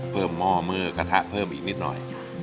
เพิ่มหม้อมือกระทะเพิ่มอีกนิดหน่อย